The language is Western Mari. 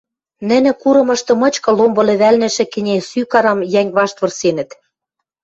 нӹнӹ курымышты мычкы ломбы лӹвӓлнӹшӹ кӹне сӱк арам йӓнг вашт вырсенӹт.